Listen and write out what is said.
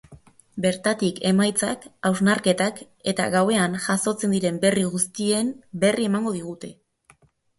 Bertatik emaitzak, hausnarketak eta gauean jazotzen diren berri guztien berri emango digute.